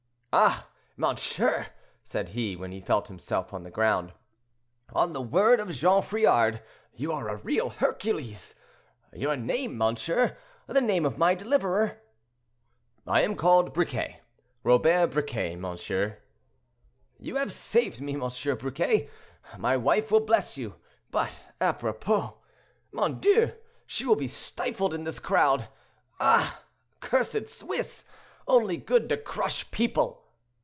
"Ah! monsieur," said he, when he felt himself on the ground, "on the word of Jean Friard, you are a real Hercules; your name, monsieur? the name of my deliverer?" "I am called Briquet—Robert Briquet, monsieur." "You have saved me, M. Briquet—my wife will bless you. But apropos; mon Dieu! she will be stifled in this crowd. Ah! cursed Swiss, only good to crush people!"